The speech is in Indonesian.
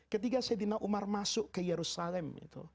ketiga saidina umar masuk ke yerusalem